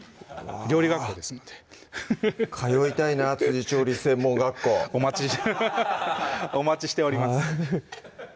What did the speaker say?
料理学校ですのでフフフ通いたいな調理師専門学校お待ちしております